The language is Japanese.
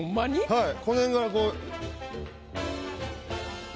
はいこの辺からこう。